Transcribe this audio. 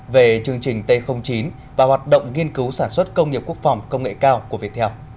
về chương trình t chín và hoạt động nghiên cứu sản xuất công nghiệp quốc phòng công nghệ cao của viettel